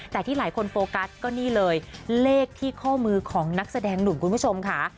แต่ที่หลายคนโฟกัสก็นี่เลยเลขที่ข้อมือของนักแสดงหนุ่มคุณผู้ชมค่ะ